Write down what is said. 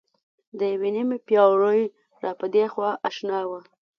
د یوې نیمې پېړۍ را پدېخوا اشنا وه.